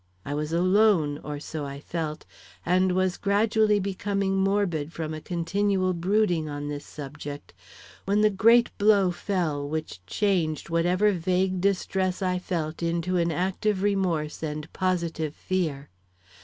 I was alone, or so I felt, and was gradually becoming morbid from a continual brooding on this subject, when the great blow fell which changed whatever vague distress I felt into an active remorse and positive fear.